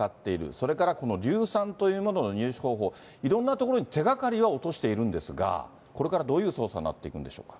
それからこの硫酸というものの入手方法、いろんなところに手がかりは落としているんですが、これからどういう捜査になっていくんでしょうか。